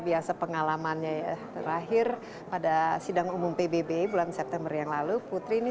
biasa pengalamannya ya terakhir pada sidang umum pbb bulan september yang lalu putri ini